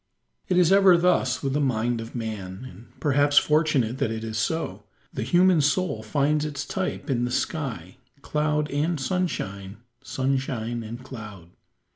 It is ever thus with the mind of man, and perhaps fortunate that it is so. The human soul finds its type in the sky cloud and sunshine, sunshine and cloud.